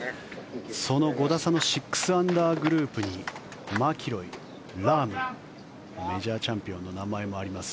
その５打差の６アンダーグループにマキロイ、ラームメジャーチャンピオンの名前もあります。